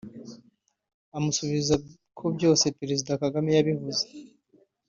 amusubiza ko byose Perezida Kagame yabivuze